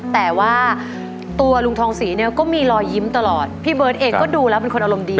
แต่ว่าตัวลุงทองศรีเนี่ยก็มีรอยยิ้มตลอดพี่เบิร์ตเองก็ดูแล้วเป็นคนอารมณ์ดี